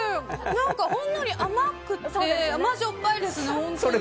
何かほんのり甘くて甘じょっぱいです、本当に。